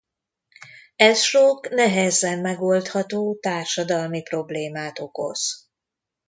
Ez sok nehezen megoldható társadalmi problémát okoz.